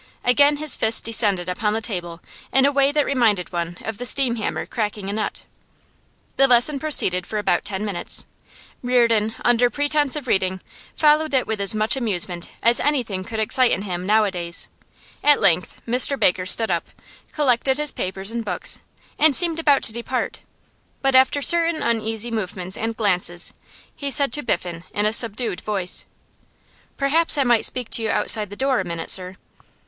Again his fist descended upon the table in a way that reminded one of the steam hammer cracking a nut. The lesson proceeded for about ten minutes, Reardon, under pretence of reading, following it with as much amusement as anything could excite in him nowadays. At length Mr Baker stood up, collected his papers and books, and seemed about to depart; but, after certain uneasy movements and glances, he said to Biffen in a subdued voice: 'Perhaps I might speak to you outside the door a minute, sir?